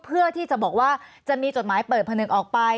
เพื่อที่จะบอกว่าจะมีจดหมายเปิดผนึกออกไป